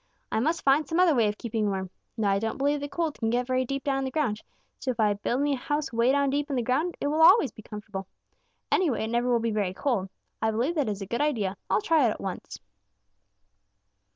'I must find some other way of keeping warm. Now I don't believe the cold can get very deep down in the ground, so if I build me a house way down deep in the ground, it always will be comfortable. Anyway, it never will be very cold. I believe that is a good idea. I'll try it at once.'